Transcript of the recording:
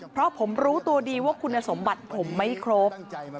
เพราะผมรู้ตัวดีว่าคุณสมบัติผมไม่ครบ